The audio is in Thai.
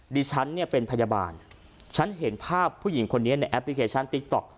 ดิฉันเนี่ยเป็นพยาบาลฉันเห็นภาพผู้หญิงคนนี้ในแอปพลิเคชันติ๊กต๊อก